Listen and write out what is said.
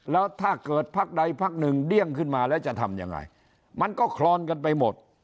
แล้วถ้าเกิดพักใดพักหนึ่งเดี้ยงขึ้นมาแล้วจะทำยังไงมันก็คลอนกันไปหมด